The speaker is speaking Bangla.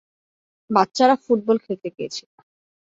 বাচ্চারা ফুটবল খেলতে গিয়েছিল।